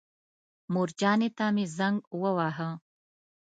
مورجانې ته مې زنګ وواهه.